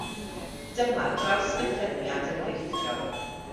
Dyma drawslythreniad enghreifftiol.